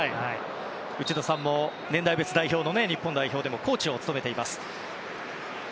内田さんも年代別の日本代表でもコーチを務めています。